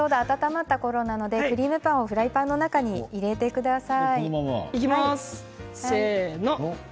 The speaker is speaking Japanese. ちょうど温まったころなのでクリームパンをフライパンに入れてください。